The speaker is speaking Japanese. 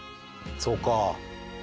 そうか。